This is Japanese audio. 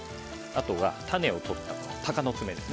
あとは種を取った鷹の爪です。